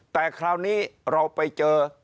แต่คราวนี้เราไปเจอ